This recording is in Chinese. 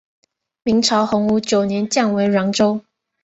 明朝洪武九年降为沅州。